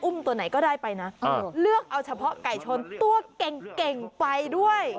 ตัวไหนก็ได้ไปนะเลือกเอาเฉพาะไก่ชนตัวเก่งไปด้วย